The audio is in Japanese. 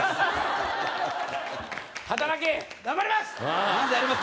働け頑張ります